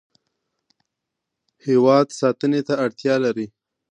هیواد ساتنې ته اړتیا لري.